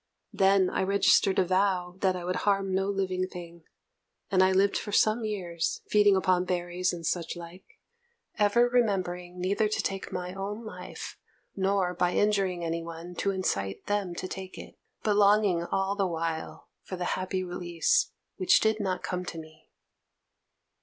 Then I registered a vow that I would harm no living thing, and I lived for some years, feeding upon berries and such like, ever remembering neither to take my own life, nor by injuring any one to incite them to take it, but longing all the while for the happy release, which did not come to me.